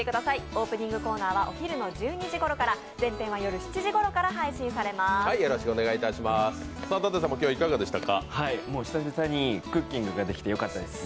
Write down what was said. オープニングコーナーは、お昼の１２時ごろから、全編は夜７時ごろから配信されます久々にクッキングができてよかったです。